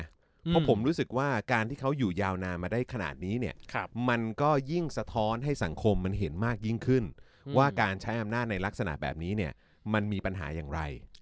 เพราะผมรู้สึกว่าการที่เขาอยู่ยาวนานมาได้ขนาดนี้เนี่ยมันก็ยิ่งสะท้อนให้สังคมมันเห็นมากยิ่งขึ้นว่าการใช้อำนาจในลักษณะแบบนี้เนี่ยมันมีปัญหาอย่างไร